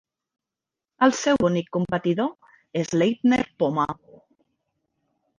El seu únic competidor és Leitner-Poma.